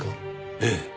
ええ。